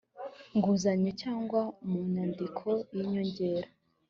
nguzanyo cyangwa mu nyandiko y inyongera